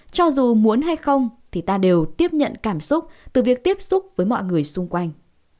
cho dù muốn hay không thì ta đều tiếp nhận cảm xúc từ việc tiếp xúc với mọi người xung quanh